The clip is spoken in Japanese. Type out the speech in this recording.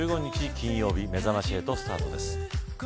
金曜日めざまし８スタートです。